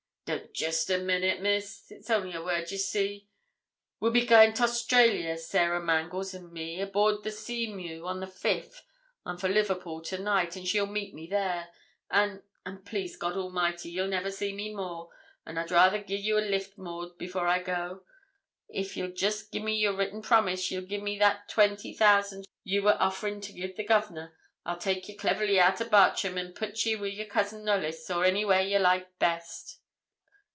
'Don't jest a minute, Miss; it's only a word, ye see. We'll be goin' t' Australia, Sary Mangles, an' me, aboard the Seamew, on the 5th. I'm for Liverpool to night, and she'll meet me there, an' an', please God Almighty, ye'll never see me more; an I'd rather gi'e ye a lift, Maud, before I go: an' I tell ye what, if ye'll just gi'e me your written promise ye'll gi'e me that twenty thousand ye were offering to gi'e the Governor, I'll take ye cleverly out o' Bartram, and put ye wi' your cousin Knollys, or anywhere ye like best.'